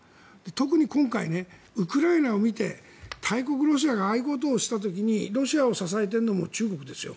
特に今回、ウクライナを見て大国ロシアがああいうことをした時にロシアを支えているのも中国ですよ。